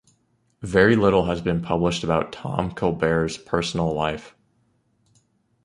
Very little has been published about Tom Colbert's personal life.